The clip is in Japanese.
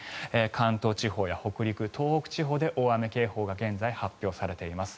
関東地方や東北、北陸地方で大雨警報が現在、発表されています。